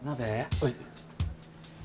はい。